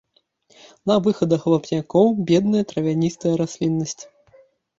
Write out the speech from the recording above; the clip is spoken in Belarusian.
На выхадах вапнякоў бедная травяністая расліннасць.